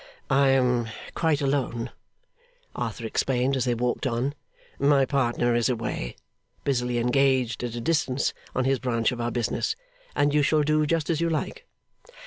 'I am quite alone,' Arthur explained as they walked on. 'My partner is away, busily engaged at a distance on his branch of our business, and you shall do just as you like.